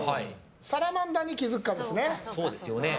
サラマンダーに気づくかですね。